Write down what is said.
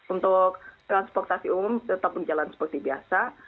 untuk transportasi umum tetap berjalan seperti biasa